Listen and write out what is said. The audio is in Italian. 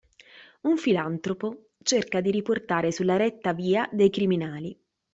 Un filantropo cerca di riportare sulla retta via dei criminali.